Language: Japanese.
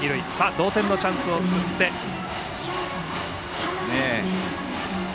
同点のチャンスを作りました。